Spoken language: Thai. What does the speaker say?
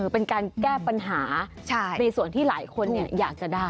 เป็นการแก้ปัญหาในส่วนที่หลายคนอยากจะได้